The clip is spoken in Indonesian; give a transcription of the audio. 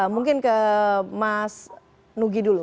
mungkin ke mas nugi dulu